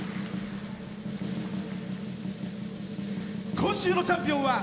今週のチャンピオンは。